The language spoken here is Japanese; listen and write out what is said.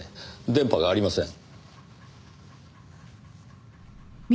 電波がありません。